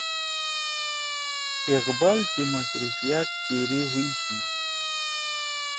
اقبال سی مصروفیات چیری ہُوئی شی